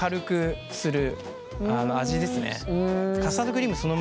味ですね。